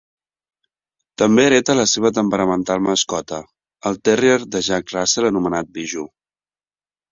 També hereta la seva temperamental mascota, el terrier de Jack Russell anomenat Bijoux.